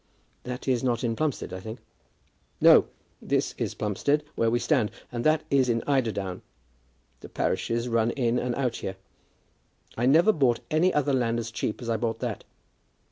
"That is not in Plumstead, I think?" "No: this is Plumstead, where we stand, but that's in Eiderdown. The parishes run in and out here. I never bought any other land as cheap as I bought that."